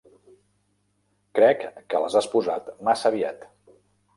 Crec que les has posat massa aviat.